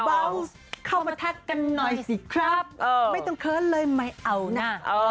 เบาเข้ามาทักกันหน่อยสิครับไม่ต้องเคิ้นเลยไม่เอานะ